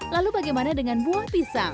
lalu bagaimana dengan buah pisang